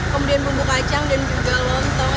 kemudian bumbu kacang dan juga lontong